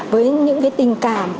với những tình cảm